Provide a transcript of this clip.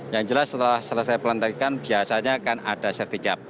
yang jelas setelah selesai pelantikan biasanya akan ada sertijab